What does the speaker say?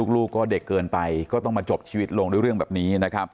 ลูกก็เด็กเกินไปก็ต้องมาจบชีวิตลงด้วยเรื่องแบบนี้นะครับ